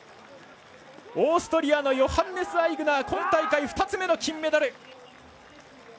オーストリアのヨハンネス・アイグナー今大会２つ目の金メダル。